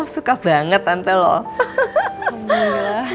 suka banget tante loh